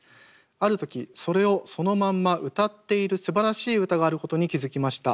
ある時それをそのまんま歌っているすばらしい歌があることに気付きました。